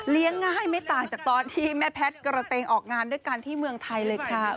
ง่ายไม่ต่างจากตอนที่แม่แพทย์กระเตงออกงานด้วยกันที่เมืองไทยเลยค่ะ